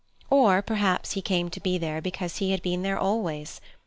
Or, perhaps he came to be there because he had been there always.